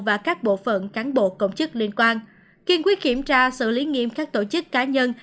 và các bộ phận cán bộ công chức liên quan kiên quyết kiểm tra xử lý nghiêm các tổ chức cá nhân